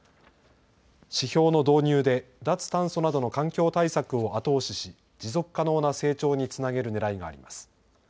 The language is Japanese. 指標の導入で脱炭素などの環境対策を後押しし、持続可能な成長につなげるねらいがあります。